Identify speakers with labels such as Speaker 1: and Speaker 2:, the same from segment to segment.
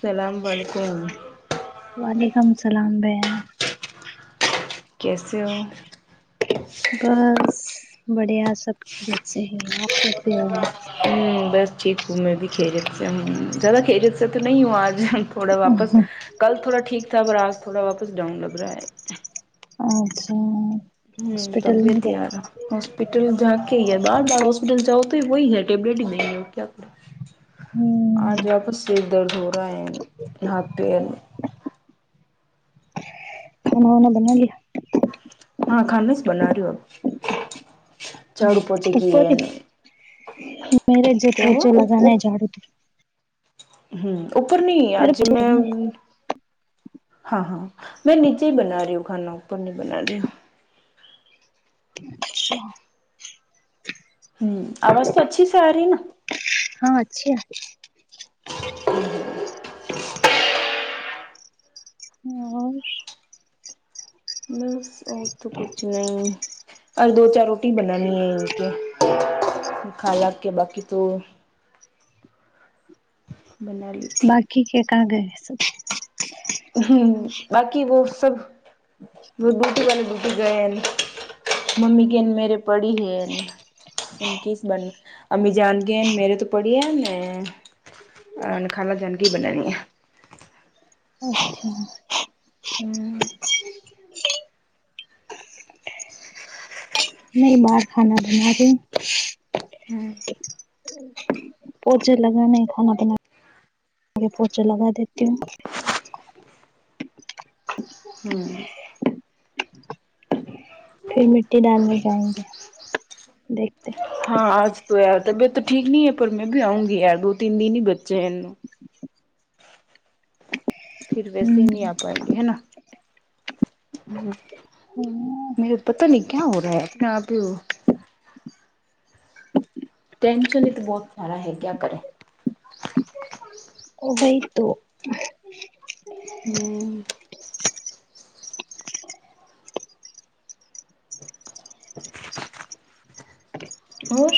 Speaker 1: سلام وعلیکم
Speaker 2: وعلیکم السلام بہن
Speaker 1: کیسے ہو
Speaker 2: بس بڑھیا سب خیریت سے ہے آپ کیسے ہو
Speaker 1: ہمم بس ٹھیک ہوں میں بھی خیریت سے زیادہ خیریت سے تو نہیں ہوں آج تھوڑا واپس کل تھوڑا ٹھیک تھا پر آج تھوڑا واپس ڈاؤن لگ رہا ہے
Speaker 2: اچھا اچھا
Speaker 1: ہوں
Speaker 2: ہوسپٹل نئی
Speaker 1: طبیعت
Speaker 2: گئے
Speaker 1: یار ہاسپٹل جا کے ہی بار بار ہاسپٹل جاؤ تو ہی وہی ہے ٹیبلیٹ ہی دینگے ہو کیا کر
Speaker 2: ہ
Speaker 1: آج واپس سے درد ہو رہا ہے یہاں پے
Speaker 2: کھانا وانا بنا لیا
Speaker 1: ہاں کھانا بنا رہی اب جاڑو پوچھے کی
Speaker 2: اوپر
Speaker 1: ہے
Speaker 2: ہی میرے [unintelligible] ج پچے لگانے جاڑو ت
Speaker 1: ہمم اوپر نہیں
Speaker 2: میرے
Speaker 1: اج
Speaker 2: پوچے
Speaker 1: میں
Speaker 2: لگانے ہیں۔
Speaker 1: ہاں ہاں میں نیچے ہی بنا رہی ہوں کھانا اوپر نہیں بنا رہی ہوں
Speaker 2: اچھا
Speaker 1: ہمم آواز تو اچھی سے آ رہی ہے نا
Speaker 2: ہاں اچھی آری ھمم
Speaker 1: بس اور تو کچھ نہیں اور دو چار روٹی بنانی ہے کھاے آکے باقی تو بنالیے
Speaker 2: باقی کے کہاں گئے سب
Speaker 1: ہمم باقی وہ سب وہ بوٹے والے بوٹے گئے ممی کے میرے پڑھی ہے ان کس بن [unintelligible] امی جان گ میرے تو پڑھیے میں ن خالہ جان کے ہی بنانی ہیں
Speaker 2: اچھا
Speaker 1: ہمم
Speaker 2: نہیں باہر کھانا بنا د
Speaker 1: ہمم
Speaker 2: پوچے لگانے کھانا بنا آے پوچھا لگا دیتی ہوں
Speaker 1: ہمم
Speaker 2: پھر مٹی ڈالنے جائیں گے دیکھتے
Speaker 1: ہاں آج تو یار طبیعت تو ٹھیک نہیں ہے پر میں بھی آؤ گی یار بہ تین دن نہیں بچے ہیںوں پھر ویسے ہی نہیں آ پائیں گے ہے نا ہمم
Speaker 2: ہ
Speaker 1: میرے پتا نہیں کیا ہو رہا ہے اپنے آپ ہی وہ ٹینشن ہی تو بہت سارا ہے کیا کریں
Speaker 2: وہی تو
Speaker 1: ہمم اور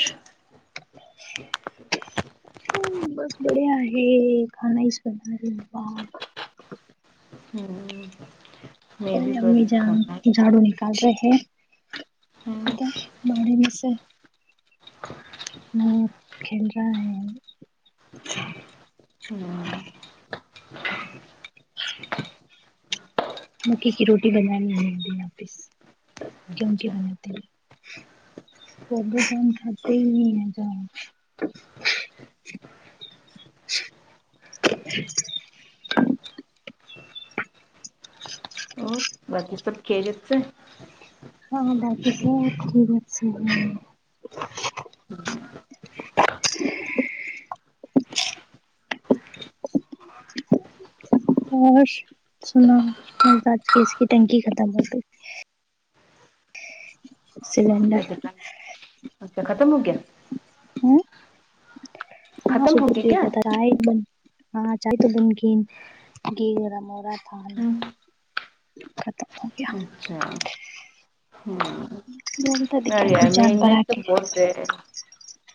Speaker 2: ہ بس [unintelligible] بڑے ہے کھانا ہی سنا ہے با [unintelligible]
Speaker 1: ہ
Speaker 2: تو
Speaker 1: میں بھی بس
Speaker 2: امی جان
Speaker 1: کھانا
Speaker 2: جاڑو نہیں
Speaker 1: ہوں
Speaker 2: [unintelligible] وہ کھیل رہا ہے
Speaker 1: ہمم
Speaker 2: مکی کی روٹی بنانا ہے [unintelligible] گہیوں کی
Speaker 1: اچھا
Speaker 2: بناتی ہوں بد گن کاتے ہی نہیں جاؤ
Speaker 1: اور باقی سب خریت سے
Speaker 2: ہاں ہاں باقی سب خریت سے ہیں اور سنا بس آج گیس کی ٹنکی ختم ہو گئی سلنڈر
Speaker 1: اچھا ختم ہو گیا ختم ہو گیا کیا
Speaker 2: [unintelligible] [unintelligible] ختم گیا
Speaker 1: اچھا ہاں
Speaker 2: بولتا د
Speaker 1: خیر
Speaker 2: کیا پ
Speaker 1: یار
Speaker 2: جان
Speaker 1: مہنگائی
Speaker 2: بھرا
Speaker 1: تو
Speaker 2: کے
Speaker 1: بہت ہے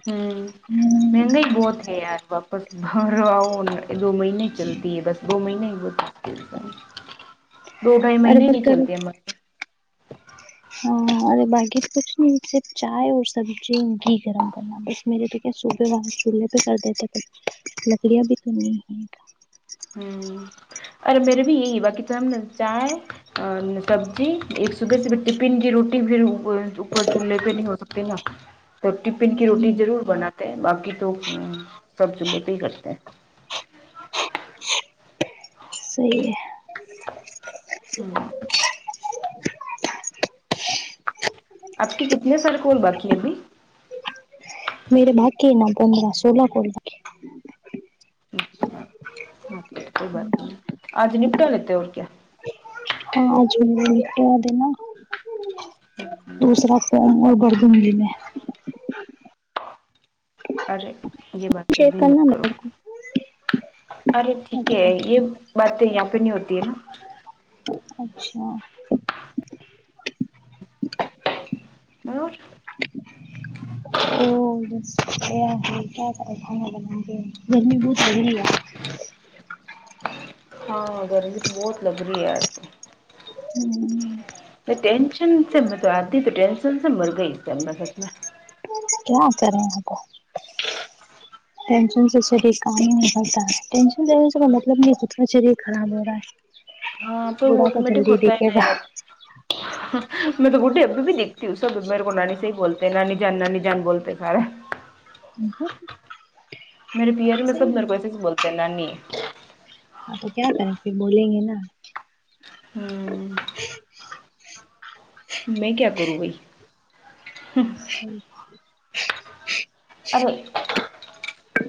Speaker 1: ہوں مہنگائی بہت ہے یار واپس بھرو آؤ دو مہینے نہیں چلتی ہے بس دو مہینے ہی بلتا دو ڈھائی
Speaker 2: ارے
Speaker 1: مہینے
Speaker 2: بر
Speaker 1: نہیں
Speaker 2: کر
Speaker 1: چلتے
Speaker 2: ہاں ارے باقی کچھ نہیں صرف چائے اور سبزی ہی گرم کرنا بس میرے تو کیا صوبح وہ چولہے پہ کر دیتے پر لکڑیاں بھی تو نہیں
Speaker 1: ہوں ارے میرے بھی یہی باقی ٹائم نا چاۓ سبزی ایک صبح سے ٹفن کی روٹی پھر اوپر چولہے پہ نہیں ہو سکتے نا تو ٹفن کی روٹی
Speaker 2: ہ
Speaker 1: ضرور بناتے ہیں باقی تو ہوں سب چلے پے ہی کرتے ہیں
Speaker 2: سہی ہے
Speaker 1: آپ کے کتنے سارے کول باقی ہے ابھی
Speaker 2: میرے باقی نکو میرا سولہ کول
Speaker 1: اچھا ہاں تو کوئی بات نہیں آج نپٹا لیتے اور کیا
Speaker 2: ہاں آج نپٹا دینا ہے دوسرا فم اور بردونگی میں
Speaker 1: ارے یہ بات
Speaker 2: شیئر
Speaker 1: ابھی مت
Speaker 2: کرنا
Speaker 1: کرو
Speaker 2: میرے کو
Speaker 1: ارے ٹھیک ہے یہ بات تو یہاں پہ نہیں ہوتی ہے نا
Speaker 2: اچھا
Speaker 1: اور
Speaker 2: اور کیا کھانا بائیں گرمی بہت ہورا ہی ہے
Speaker 1: ہاں گرمی تو بہت لگ رہی ہے آج
Speaker 2: ہوں
Speaker 1: ٹینشن سے میں جاتی تو ٹینشن سے مر گئی سچ میں
Speaker 2: کیا کر رہے ہیں آپ ٹینشن سے شریر کام ہی نہیں کرتا ہے ٹینشن سے مطلب نہیں کتنا شریر خراب ہو رہا
Speaker 1: ہاں پر
Speaker 2: ہے بوڑھا
Speaker 1: وہ
Speaker 2: پا
Speaker 1: آٹومیٹک
Speaker 2: جلدی
Speaker 1: ہوتا ہے
Speaker 2: دکھے
Speaker 1: نا
Speaker 2: گا
Speaker 1: میں تو بڈھی ابی بھی دیکھتی ہوں سب میرے کو نانی سے ہی بولتے ہیں نانی جان نانی جان بولتے سارا میرے پییا جو میرے سب
Speaker 2: صحیح ہے
Speaker 1: مرکو ایسے ہی بولتے ہیں نانی
Speaker 2: ہاں تو کیا کرے اب بولیں گے نا
Speaker 1: ہوں میں کیا کروں بھائی
Speaker 2: جی
Speaker 1: ارے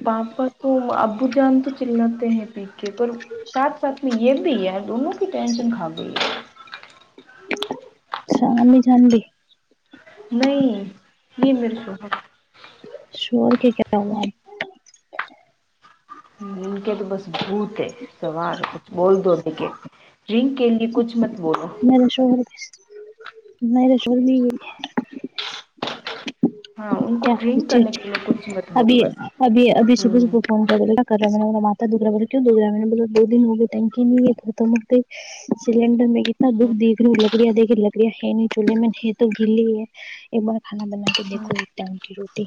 Speaker 1: پاپا تو ابو جان تو چلاتے ہیں پی کے پر ساتھ ساتھ میں یہ بھی ہے دونوں کی ٹینشن کھا گئی ہے
Speaker 2: اچھا عمی جان بھی
Speaker 1: نہیں یہ مرچو
Speaker 2: شور کے کیا ہواپ
Speaker 1: ان کے تو بس بھوت ہے سوار کچھ بول دونے کے ڈرنک کے لیے کچھ مت بولو
Speaker 2: میرے شوہر بھی اس تارہا میرے شوہر بھی
Speaker 1: ہاں ان
Speaker 2: [unintelligible] ا
Speaker 1: کو ڈرنک کرنے کے لیے
Speaker 2: ا
Speaker 1: کچھ مت
Speaker 2: ابھی
Speaker 1: بولو بس
Speaker 2: ابھی ابھی صبح صب
Speaker 1: ہوں
Speaker 2: کرا ماتا د دا نے بول دو دن ہو گئے نہیں تو م سلینڈر کتنے ہے دکھلو لکڑیا دیکھیے لکڑیا ہے نہیں چولہے میں تو گ ہے ایک بار کانا بنا کے دیکھو ٹن کی روٹی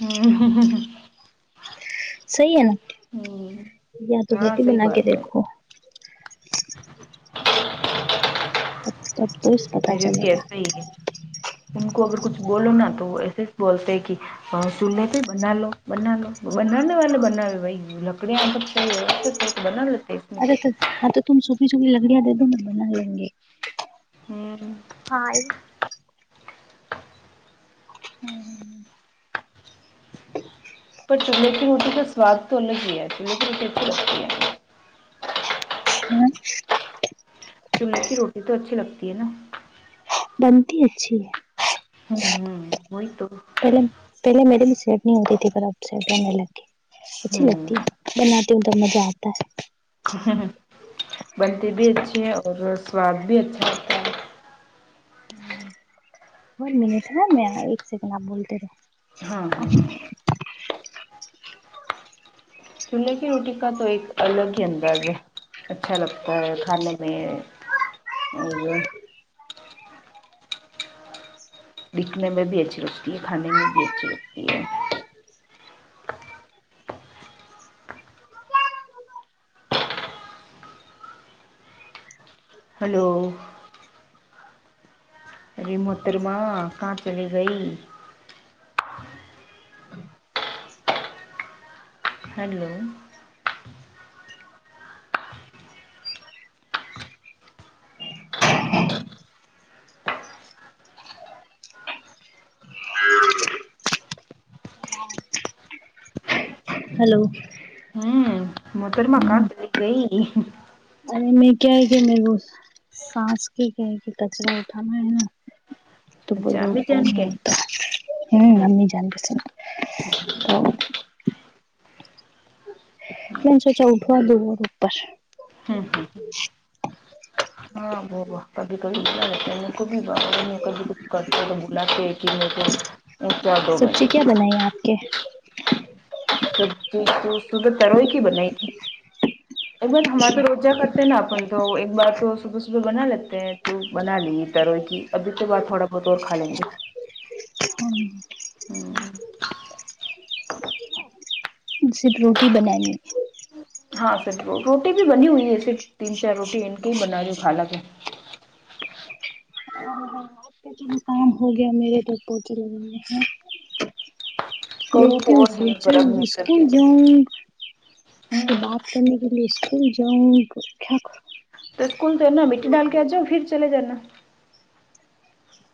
Speaker 1: ہ
Speaker 2: صحیح ہے
Speaker 1: ہوں
Speaker 2: یا تو بی
Speaker 1: ہاں
Speaker 2: ہی
Speaker 1: صحیح
Speaker 2: بنا کے
Speaker 1: بات ہے
Speaker 2: دیکھو تب تب تو اس پتا
Speaker 1: میرے
Speaker 2: چلے
Speaker 1: بھی
Speaker 2: گا
Speaker 1: ایسا ہی ہے ان کو اگر کچھ بولو نا تو وہ ایسے ہی بولتے کہ اور چولہے پہ بنا لو بنا لو بنانے والے بناو بھائی لکدیا بنا اسم
Speaker 2: ارے
Speaker 1: کے
Speaker 2: تو ہاں تو تم سوکھی سوکھی لکڑیاں دے دو میں بنا لیں گے
Speaker 1: ہوں
Speaker 2: ہاں ہوں ہ
Speaker 1: پر چولے کی روٹی کا سواد تو ان کی ہی ہے چے کی روٹی ات لگتی ہے
Speaker 2: ہوں
Speaker 1: چلہے کی روٹی تو اچھی لگتی ہے نا
Speaker 2: بنتی اچھی ہے
Speaker 1: ہوں ہ وہئی تو
Speaker 2: پہلے پہلے میڈ بھی سیٹ نہیں ہوتی تھی پر اب سیٹ بنے لگ گ اچھی
Speaker 1: ہوں
Speaker 2: لگتی ہے بناتی ہوں تو مزہ آتا ہے
Speaker 1: بنتی بھی اچھی ہے اور سواد بھی اچھا ہےن
Speaker 2: اور منٹ ہےا میں ایک سیکنڈ آپ بولتے رہے
Speaker 1: ہاں ہاں چولہے کی روٹی کا تو ایک الگ ہی انداز ہے اچھا لگتا ہے کھانے میں اور دکھنے میں بھی اچھی لگتی ہے کھانے میں بھی اچھی لگتی ہے ہلو ارے موہترما کھا چلی گیی ہیلو
Speaker 2: ہیںلو
Speaker 1: ہاں موحترما کھا چلی گیی
Speaker 2: ا میں کیا کہ م گ سانس کی کہے کہ کچرا اٹھانا ہے نا تو
Speaker 1: اچھا
Speaker 2: بلا
Speaker 1: امی
Speaker 2: اٹتا
Speaker 1: جان کے
Speaker 2: ہے ہوں عمی جان ساتھ ہے تو من چے سے اٹھوا ل اور اوپر
Speaker 1: ہوں ہوں ہ ہاں وہ کبھی کبھی بلا رہتے کبھی کبھی کچھ کرتے تو بلاتے چار دو مہنے
Speaker 2: بنائیے آپ کے
Speaker 1: سبزی تو تروئی کی بنائی تھی ای ہمارے تو
Speaker 2: اچھا
Speaker 1: روہ کا نا اپن تو ایک بار تو صبح صبح بنا لیتے ہے تو بنا لی ترو کی ابھی کے بعد تھوڑا بہت اور کھا لینگے
Speaker 2: ہ صرف روٹی بنانی ہے
Speaker 1: ہاں پھر تو روٹی بھی بنی ہوئی ہے صرف تین چار روٹی ان کے ہی بنا رہی ہوں خالہ کو
Speaker 2: ا ج ہو گیا میرے تو پوچھا لگانے کا
Speaker 1: کروں
Speaker 2: دیکھتے
Speaker 1: تو
Speaker 2: ہوں
Speaker 1: اور ہے
Speaker 2: سوچے
Speaker 1: پر
Speaker 2: ہ
Speaker 1: اب میری
Speaker 2: اسکول
Speaker 1: طبیعت ٹھیک
Speaker 2: جاؤں
Speaker 1: ہے ہوں
Speaker 2: سے بات کرنے کے لیے اسکول جاؤں کیا
Speaker 1: تو اسکول تو اننا مٹی ڈال کے آ جاؤ پھر چل جانا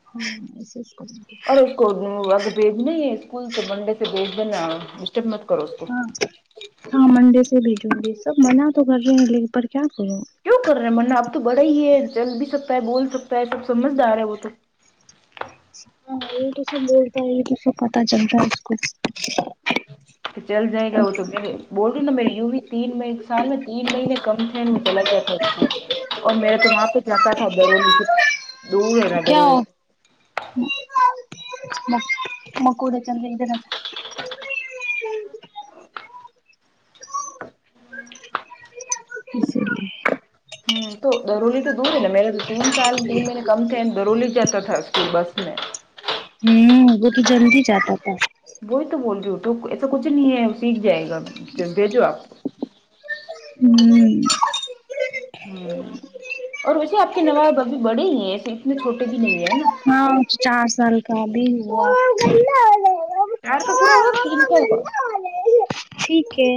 Speaker 2: ہاں کر
Speaker 1: اور اس کو ا بھیج نے اسکول تو منڈے سے بھیچ دینا کرو اس کو
Speaker 2: ہاں ہاں منڈے سے بھیجوں گی سب منعہ تو کر رہے ہیں لیکن پر کیا کرو
Speaker 1: کیوں کر رہے ہیں منعہ اب تو بڑا ہی ہے چل بھی سکتا ہے بول سکتا ہے سب سمجھدارا ہے وہ تو
Speaker 2: ہاں وہ توسب بولتا ہی تو اس پتا چلتا ہے اس کو
Speaker 1: تو چل جائے گا وہ تو میرے بولوں نا میرے یوی تین میں سال میں تین مہینے کم تھے میں چلا گیا تھا اس اور میرے توماں پ کہتا تھا ضور لکھ
Speaker 2: کیا مکڑ چندن ج
Speaker 1: ہوں تو درولی تو دور ہے نا میرا تو تین سال تین مہینے کم تھے درولی جاتا تھا اسکول بس میں
Speaker 2: ہوں وہ کہ جلد ہی جاتا تھا
Speaker 1: وہی تو بول رہیٹو ایسا کچھ نہیں ہے سیکھ جائے گا بھیجو آپ کو
Speaker 2: ہوں
Speaker 1: ہوں اور ویسے آپ کے نواب ابھی بڑے ہی ہیں ایسے اتنے چھوٹے بھی نہیں ہے نا
Speaker 2: ہاں چار سال کا ابھی ہوا
Speaker 1: چار کا پورا ہوا کہ تین کا ہوا
Speaker 2: ٹھیک ہے